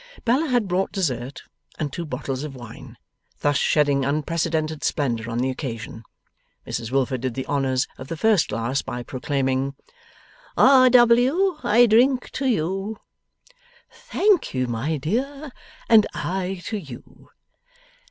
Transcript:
Bella had brought dessert and two bottles of wine, thus shedding unprecedented splendour on the occasion. Mrs Wilfer did the honours of the first glass by proclaiming: 'R. W. I drink to you. 'Thank you, my dear. And I to you.